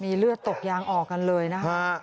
เลือดตกยางออกกันเลยนะคะ